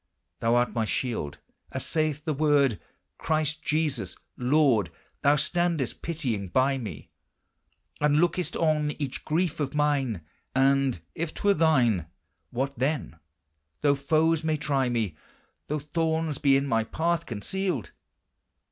Thou art my shield, as saith the Word. Christ Jesus, Lord, Thou standest pitying by me, And lookest on each grief of mine And if 't were thine: What, then, though foes may try me. Though thorns be in my path concealed?